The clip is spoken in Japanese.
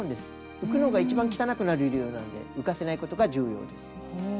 浮くのが一番汚くなる理由なので浮かせないことが重要です。